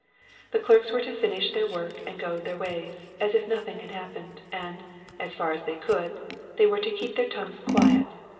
The clerks were to finish their work and go their ways, as if nothing had happened, and, as far as they could, they were to keep their tongues quiet.